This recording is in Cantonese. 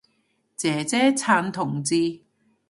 姐姐撐同志